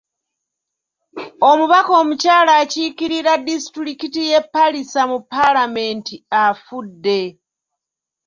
Omubaka omukyala akiiririra disitulikiti y'e Palisa mu Paalamenti afudde.